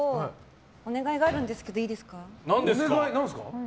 お願いがあるんですけど何ですか？